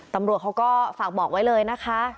ตำรวจเขาก็ฝากบอกไว้เลยนะคะ